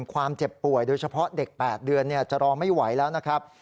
ความเจ็บป่วยโดยเฉพาะเด็ก๘เดือนจะรอไม่ไหวแล้วนะครับ